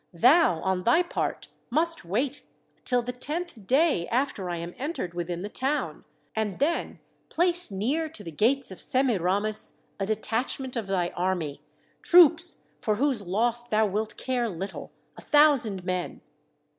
Thou, on THE W 'ALLS OF BABYLON 61 thy part, must wait till the tenth day after I am entered within the town, and then place near to the gates of Semiramis a detachment of thy army, troops for whose loss thou wilt care little, a thousand men.